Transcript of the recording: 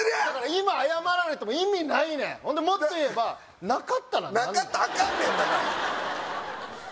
だから今謝られても意味ないねんほんでもっと言えばなかったら何なかったらアカンねんだから！